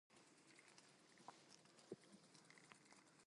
It also concentrated and re-cycled its own sulphuric acid.